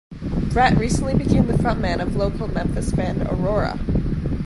Brett recently became the frontman of local Memphis band Aurora.